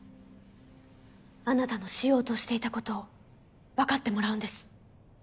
あなたのしようとしていたことを分かってもらうんです。